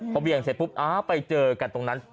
พอเบี่ยงเสร็จปุ๊บไปเจอกันตรงนั้น